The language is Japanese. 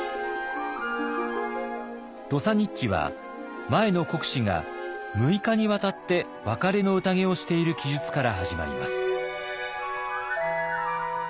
「土佐日記」は前の国司が６日にわたって別れの宴をしている記述から始まります。